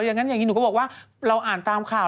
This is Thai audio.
อย่างนั้นอย่างนี้หนูก็บอกว่าเราอ่านตามข่าว